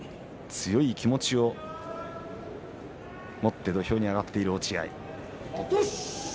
強い気持ちを持って土俵に上がっている落合です。